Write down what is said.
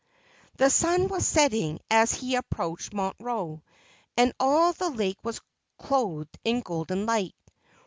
The sun was setting as he approached Montreux, and all the lake was clothed in golden light.